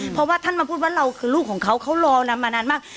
เพราะว่าท่านมาพูดว่าเราคือลูกของเขาเขารอนำมานานมาก